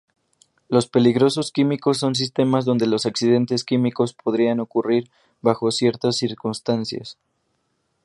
Los peligros químicos son sistemas donde los accidentes químicos podrían ocurrir bajo ciertas circunstancias.